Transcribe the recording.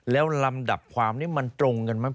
แล้วลำดับความนี้มันตรงกันไหม